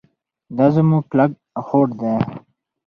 دا زموږ کلک هوډ دی.